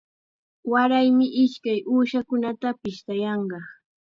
Waraymi ishkay uushata pishtayanqa.